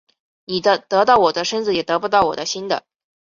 你得到我的身子也得不到我的心的